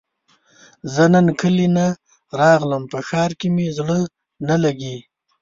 زۀ نن کلي نه راغلم په ښار کې مې زړه نه لګي